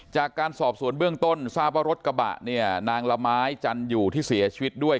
จากการสอบสวนเบื้องต้นทราบว่ารถกระบะเนี่ยนางละไม้จันอยู่ที่เสียชีวิตด้วย